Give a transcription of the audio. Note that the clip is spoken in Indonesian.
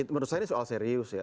menurut saya ini soal serius ya